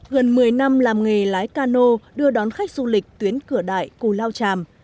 gần một mươi năm làm nghề lái cano đưa đón khách du lịch tuyến cửa đại cù lao tràm